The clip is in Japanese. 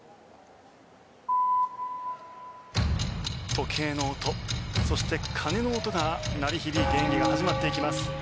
時計の音、そして鐘の音が鳴り響いて演技が始まっていきます。